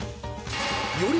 ［より］